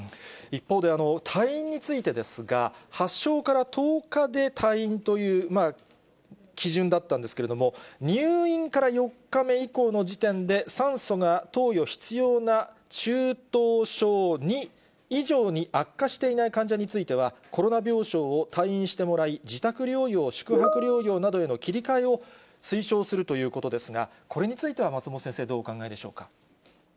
一方で、退院についてですが、発症から１０日で退院という基準だったんですけども、入院から４日目以降の時点で酸素が投与必要な中等症２以上に悪化していない患者については、コロナ病床を退院してもらい、自宅療養、宿泊療養などへの切り替えを推奨するということですが、これについては松本先生、どうお考えでしょうか。